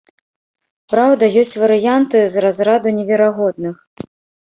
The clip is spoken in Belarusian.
Праўда, ёсць варыянты з разраду неверагодных.